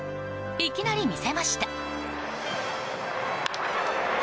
いきなり見せました！